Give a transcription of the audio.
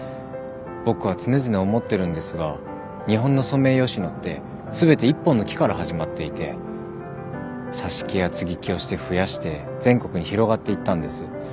僕は常々思ってるんですが日本のソメイヨシノって全て１本の木から始まっていて挿し木や接ぎ木をして増やして全国に広がっていったんです。